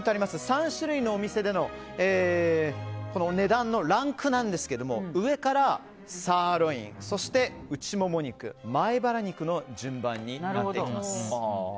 ３種類の、お店での値段のランクなんですけれども上からサーロインそして、内もも肉前バラ肉の順番になっています。